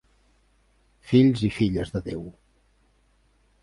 Fills i filles de Déu.